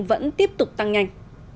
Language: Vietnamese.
vẫn tiếp tục tăng nhanh